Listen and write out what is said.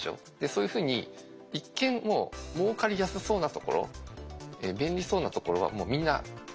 そういうふうに一見もうかりやすそうなところ便利そうなところはもうみんなどんどんやってるんです。